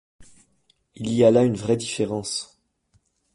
Il y a là une vraie différence.